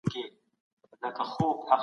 په حسن كي دي ګډ يـــــــم